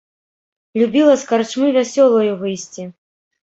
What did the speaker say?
Любіла з карчмы вясёлаю выйсці.